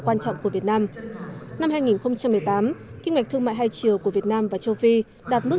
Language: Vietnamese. quan trọng của việt nam năm hai nghìn một mươi tám kinh mạch thương mại hai triều của việt nam và châu phi đạt mức